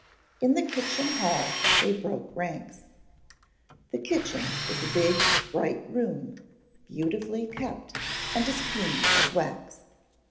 In the kitchen hall they broke ranks. The kitchen was a big, bright room, beautifully kept and as clean as wax.